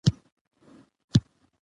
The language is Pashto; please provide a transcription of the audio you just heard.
بوسیا ځکه دغه پالیسي غوره کړې وه.